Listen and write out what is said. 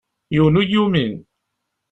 Yiwen ur yi-yumin.